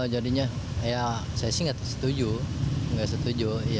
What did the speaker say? jadinya saya sih nggak setuju